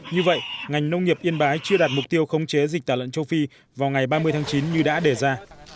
như vậy ngành nông nghiệp yên bái chưa đạt mục tiêu khống chế dịch tả lợn châu phi vào ngày ba mươi tháng chín như đã đề ra